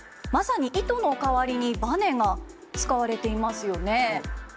まさに糸の代わりにバネが使われていますよね。